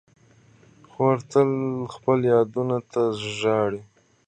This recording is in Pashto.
خور تل خپلو یادونو ته ژاړي.